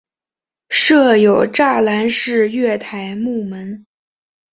设有栅栏式月台幕门。